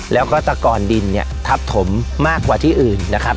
แล้วก็ตะกอนดินเนี่ยทับถมมากกว่าที่อื่นนะครับ